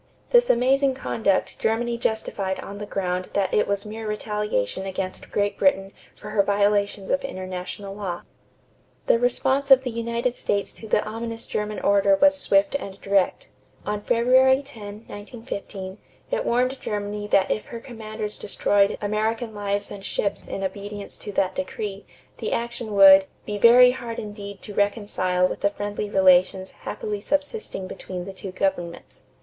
This amazing conduct Germany justified on the ground that it was mere retaliation against Great Britain for her violations of international law. The response of the United States to the ominous German order was swift and direct. On February 10, 1915, it warned Germany that if her commanders destroyed American lives and ships in obedience to that decree, the action would "be very hard indeed to reconcile with the friendly relations happily subsisting between the two governments."